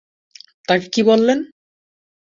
তাকে কী বললেন?